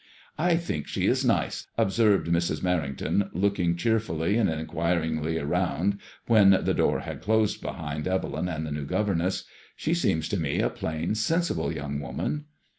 " I think she is nice," observed Mrs. Merrington, looking cheer fully and inquiringly round when the door had closed behind Evelyn and the new governess. " She seems to me a plain, sensible young woman."